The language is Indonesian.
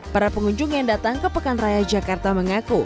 para pengunjung yang datang ke pekan raya jakarta mengaku